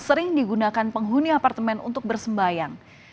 sering digunakan penghuni apartemen untuk bersembayang